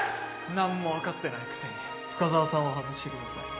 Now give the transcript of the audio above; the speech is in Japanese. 何も分かってないくせに深沢さんを外してください